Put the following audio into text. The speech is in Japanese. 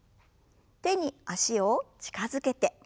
手に脚を近づけて。